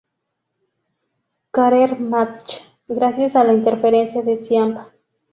Career Match" gracias a la interferencia de Ciampa.